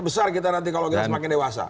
besar kita nanti kalau kita semakin dewasa